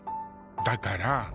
だから。